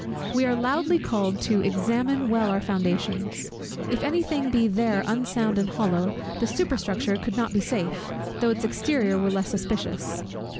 We are loudly called on to examine well our foundations. If any thing be there unsound and hollow, the superstructure could not be safe, though its exterior were less suspicious.